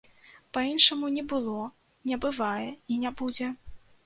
Па-іншаму не было, не бывае і не будзе.